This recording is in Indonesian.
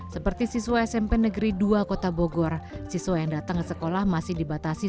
seperti siswa smp negeri dua kota bogor siswa yang datang ke sekolah masih dibatasi